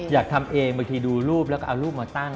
อยากทำเองบางทีดูรูปแล้วก็เอารูปมาตั้ง